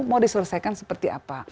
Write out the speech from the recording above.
mau diselesaikan seperti apa